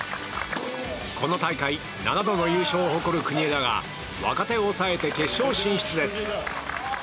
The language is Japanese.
この大会７度の優勝を誇る国枝が若手を抑えて決勝進出です。